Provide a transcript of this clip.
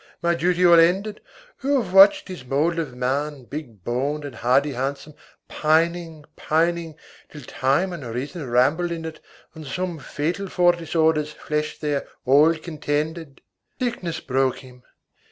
my duty all ended, Who have watched his mould of man, big boned and hardy handsome Pining, pining, till time when reason rambled in it and some Fatal four disorders, fleshed there, all contended? Sickness broke him.